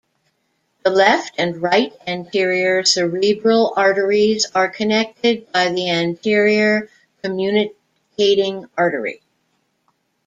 The left and right anterior cerebral arteries are connected by the anterior communicating artery.